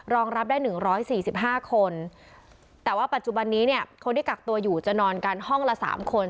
รองรับได้หนึ่งร้อยสี่สิบห้าคนแต่ว่าปัจจุบันนี้เนี่ยคนที่กักตัวอยู่จะนอนกันห้องละสามคน